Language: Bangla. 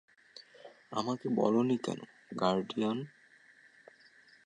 আমাকে বলোনি কেন, গার্ডিয়ান?